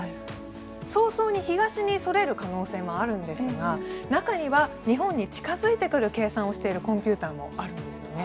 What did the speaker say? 早々に東にそれる可能性もあるんですが中には日本に近付いてくる計算をしているコンピューターもあるんですよね。